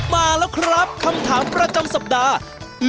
มาแล้วครับคำถามประจำสัปดาห์